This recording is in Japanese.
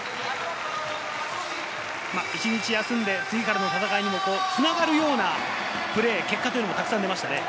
一日休んで次からの戦いにも繋がるようなプレー結果がたくさん出ました。